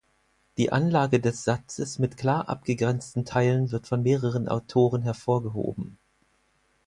Die Anlage des Satzes mit klar abgegrenzten Teilen wird von mehreren Autoren hervorgehoben.